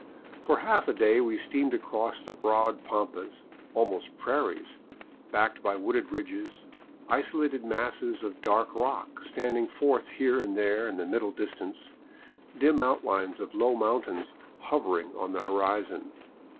For half a day we steamed across broad pampas, almost prairies, backed by wooded ridges, isolated masses of dark rock standing forth here and there in the middle distance, dim outlines of low mountains hovering on the horizon.